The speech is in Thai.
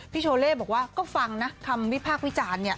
โชเล่บอกว่าก็ฟังนะคำวิพากษ์วิจารณ์เนี่ย